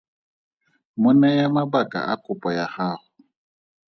Mo neye mabaka a kopo ya gago.